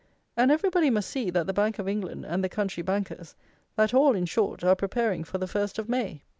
And everybody must see, that the Bank of England, and the country bankers; that all, in short, are preparing for the first of May.